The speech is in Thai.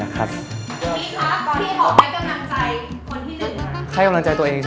พีคครับตอนนี้ขอให้กำลังใจคนที่หนึ่งครับ